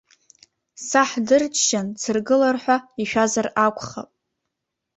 Саҳ дырччан дсыргыларҳәа ишәазар акәхап.